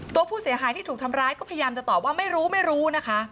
ตัวผู้เสียหายที่ถูกทำร้ายก็พยายามจะตอบว่าไม่รู้